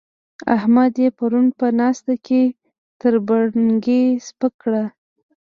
احمد يې پرون په ناسته کې تر بڼکې سپک کړ.